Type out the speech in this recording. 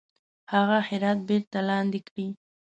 هغه هرات بیرته لاندي کړي.